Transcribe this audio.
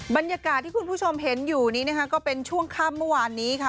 บรรยากาศที่คุณผู้ชมเห็นอยู่นี้นะคะก็เป็นช่วงค่ำเมื่อวานนี้ค่ะ